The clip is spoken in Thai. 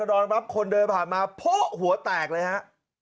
นอนปั๊บคนเดินผ่านมาโพะหัวแตกเลยฮะ